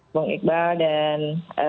bang iqbal dan